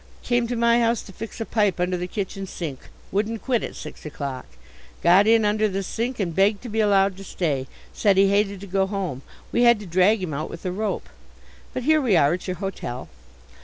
Came to my house to fix a pipe under the kitchen sink wouldn't quit at six o'clock. Got in under the sink and begged to be allowed to stay said he hated to go home. We had to drag him out with a rope. But here we are at your hotel."